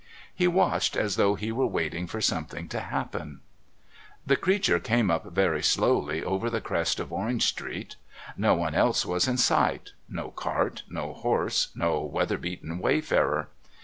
He watched as though he were waiting for something to happen. The creature came up very slowly over the crest of Orange Street. No one else was in sight, no cart, no horse, no weather beaten wayfarer.